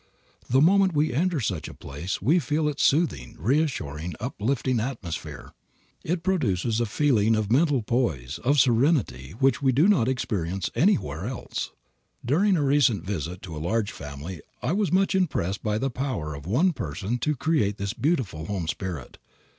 The moment we enter such a place we feel its soothing, reassuring, uplifting atmosphere. It produces a feeling of mental poise, of serenity which we do not experience anywhere else. During a recent visit to a large family I was much impressed by the power of one person to create this beautiful home spirit.